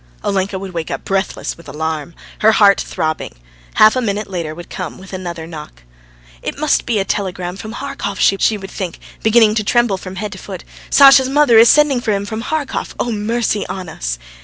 Olenka would wake up breathless with alarm, her heart throbbing. Half a minute later would come another knock. "It must be a telegram from Harkov," she would think, beginning to tremble from head to foot. "Sasha's mother is sending for him from Harkov. ... Oh, mercy on us!"